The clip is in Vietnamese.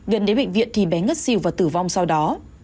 gần đến bệnh viện thì bé ngất xỉu và tử vong sau đó